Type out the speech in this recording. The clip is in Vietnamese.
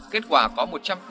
kết quả có một trăm tám mươi